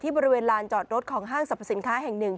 บริเวณลานจอดรถของห้างสรรพสินค้าแห่งหนึ่ง